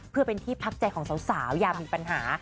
เพื่อเป็นที่พักใจของสาวอย่ามีปัญหา